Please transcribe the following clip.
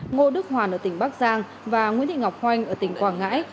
ngô đức hoàn ở tp bắc giang và nguyễn thị ngọc hoanh ở tp quảng ngãi